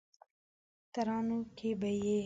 ترانو کې به یې